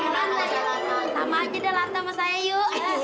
lata ya sama aja deh lata sama saya yuk